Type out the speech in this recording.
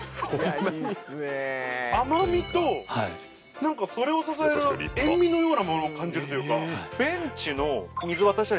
何かそれを支える塩味のようなものを感じるというか。